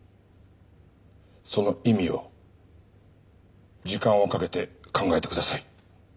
その意味を時間をかけて考えてください。